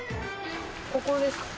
ここですか？